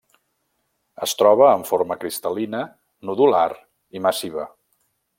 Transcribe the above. Es troba en forma cristal·lina, nodular i massiva.